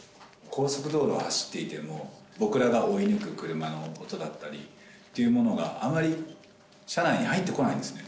高速道路を走っていても、僕らが追い抜く車の音だったりというものが、あまり車内に入ってこないんですね。